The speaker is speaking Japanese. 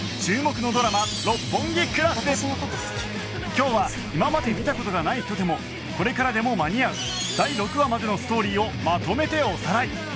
今日は今まで見た事がない人でもこれからでも間に合う第６話までのストーリーをまとめておさらい！